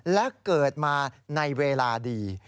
และเกิดมาในเวลาดี